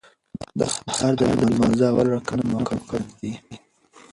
د سهار د لمانځه اول رکعتونه مؤکد سنت دي.